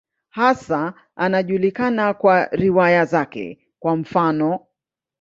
Hasa anajulikana kwa riwaya zake, kwa mfano.